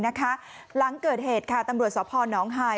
หลังเกิดเหตุตำรวจสภน้องฮาย